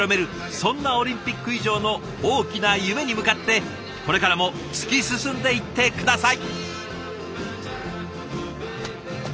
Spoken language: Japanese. そんなオリンピック以上の大きな夢に向かってこれからも突き進んでいって下さい！